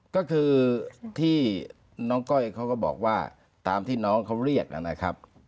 ก็คือที่น้องก้อยเขาก็บอกว่าตามที่น้องเขาเรียกนะครับ